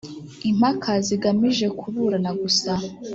Impaka zigamije kuburana gusa.